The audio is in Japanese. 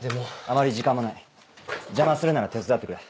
あまり時間もない邪魔するなら手伝ってくれ。